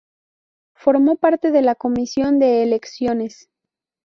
Formó parte de la Comisión de Elecciones.